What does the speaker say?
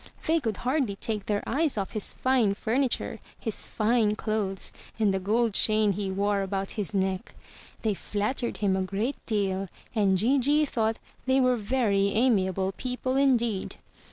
They could hardly take their eyes ofif his fine furniture, his fine clothes, and the gold chain he wore about his neck. They flattered him a great deal; and Gigi thought they were very amiable people indeed.